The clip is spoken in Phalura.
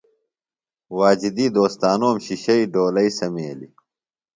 واجدی دوستانوم شِشیویۡ ڈولئی سمیلیۡ۔